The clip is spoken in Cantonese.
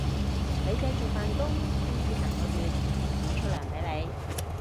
你繼續扮工，公司下個月就無錢出糧畀你